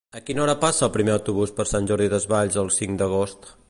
A quina hora passa el primer autobús per Sant Jordi Desvalls el cinc d'agost?